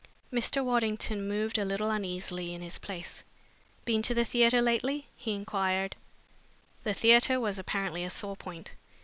Mr. Waddington moved a little uneasily in his place. "Been to the theatre lately?" he inquired. The theatre was apparently a sore point.